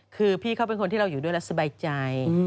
คือพี่เขาเป็นคนที่เราอยู่ด้วยแล้วสบายใจ